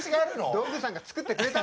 道具さんが作ってくれたんだから。